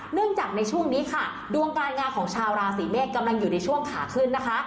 เนื่องจากในช่วงนี้ค่ะดวงการงานของชาวราศีเมษกำลังอยู่ในช่วงขาขึ้นนะคะ